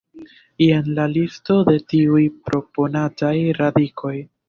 Jen la listo de tiuj proponataj radikoj.